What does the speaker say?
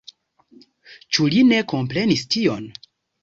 Ĉu li ne komprenis tion?